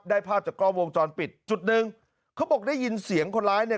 ภาพจากกล้องวงจรปิดจุดหนึ่งเขาบอกได้ยินเสียงคนร้ายเนี่ย